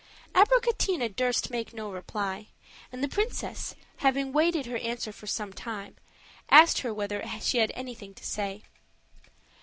Abricotina durst make no reply; and the princess, having waited her answer for some time, asked her whether she had anything to say.